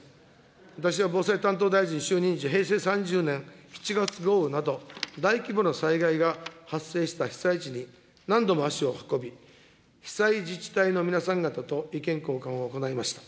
私は防災担当大臣就任時、平成３０年７月豪雨など、大規模な災害が発生した被災地に、何度も足を運び、被災自治体の皆さん方と意見交換を行いました。